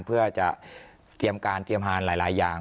เพื่อจะเตรียมการเตรียมอาหารหลายอย่าง